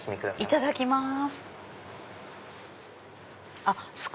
いただきます。